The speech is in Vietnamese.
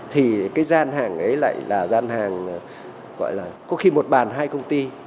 thì cái gian hàng ấy lại là gian hàng gọi là có khi một bàn hai công ty